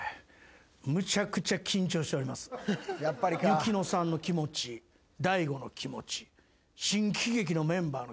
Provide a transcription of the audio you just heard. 由紀乃さんの気持ち大悟の気持ち新喜劇のメンバーの気持ち